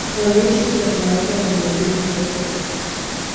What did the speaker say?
onesho kwa kawaida linajibu hoja mbalimbali